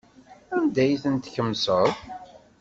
Anda ay ten-tkemseḍ?